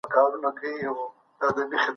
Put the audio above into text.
سالم ذهن پرمختګ نه زیانمنوي.